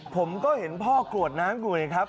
ผมก็เห็นพ่อกรวดน้ำอยู่ไงครับ